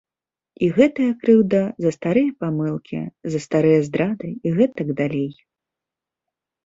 І гэтая крыўда за старыя памылкі, за старыя здрады і гэтак далей.